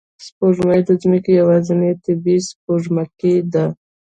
سپوږمۍ د ځمکې یوازینی طبیعي سپوږمکۍ ده